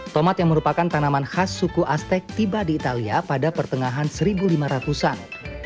tomat yang merupakan tanaman khas suku aztek tiba di italia pada pertengahan seribu lima ratus an